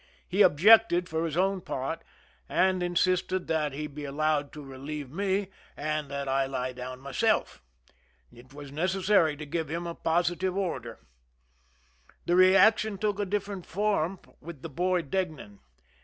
He objected for his own part, and insisted that he be allowed to relieve me, and that I lie down myself. It was necessary to give him a positive order. The reaction took a different form with the boy Deignan.